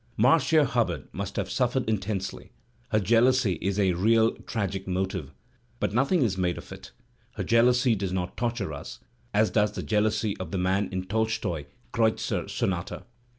Marda Hubbard must have suffered intensely; her jealousy is a real tragic motive, but nothing is made of it; her jealousy does not torture us, as does the jealousy of the man in Tolstoy's "Kreutzer Sonata."